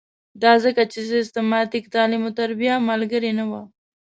دا ځکه چې سیستماتیک تعلیم او تربیه ملګرې نه وه.